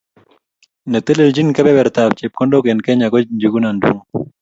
Netelelchini kebebertab chepkondok eng Kenya ko Njuguna Ndung'u